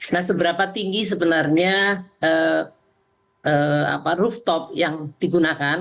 nah seberapa tinggi sebenarnya rooftop yang digunakan